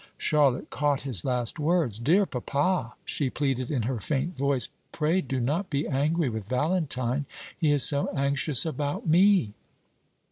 Charlotte caught his last words. "Dear papa," she pleaded in her faint voice, "pray do not be angry with Valentine; he is so anxious about me."